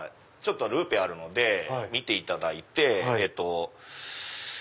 ルーペあるので見ていただいて。